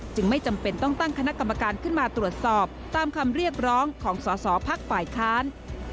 ไม่จำเป็นต้องตั้งคณะกรรมการขึ้นมาตรวจสอบตามคำเรียกร้องของสอสอพักฝ่ายค้าน